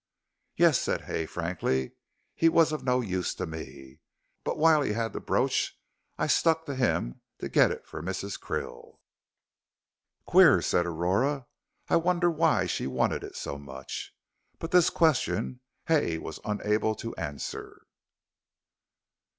"Yes," said Hay, frankly; "he was of no use to me. But while he had the brooch I stuck to him to get it for Mrs. Krill." "Queer," said Aurora. "I wonder why she wanted it so much!" but this question Hay was unable to answer.